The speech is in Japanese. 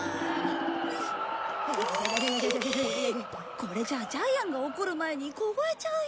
これじゃジャイアンが怒る前に凍えちゃうよ。